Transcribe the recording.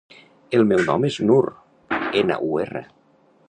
El meu nom és Nur: ena, u, erra.